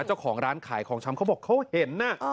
เจ้าของร้านขายของชำเขาบอกเขาเห็น